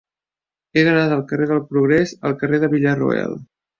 He d'anar del carrer del Progrés al carrer de Villarroel.